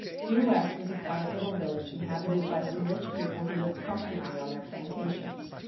Due West was a quiet little village inhabited by some rich people who lived comfortably on their plantations.